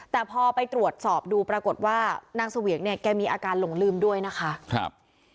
แต่พอไปตรวจสอบดูปรากฏว่านางเสวียงเนี่ยแกมีอาการหลงลืมด้วยนะคะครับ